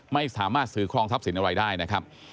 ไม่สามารถซื้อครองทรัพย์สินอะไรได้นะครับ